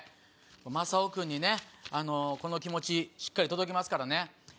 マサオ君にねこの気持ちしっかり届けますからね。